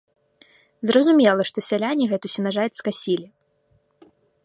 Зразумела, што сяляне гэту сенажаць скасілі.